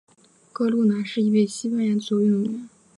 哥路拿是一位西班牙足球运动员。